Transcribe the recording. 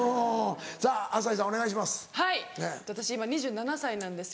さぁ朝日さんお願いします。